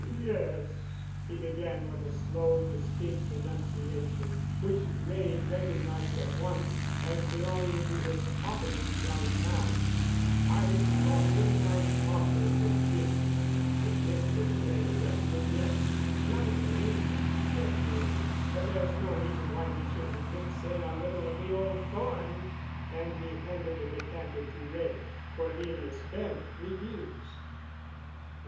"Yes," he began with a slow, distinct enunciation, which Wray recognized at once as belonging to his office downtown, "I thought we might talk a little business, if Mr. Janney doesn't object." "Not in the least," said Janney, "but there's no reason why we shouldn't mix in a little of the Old Thorne," and he handed the decanter to Wray. Cornelius Bent refused.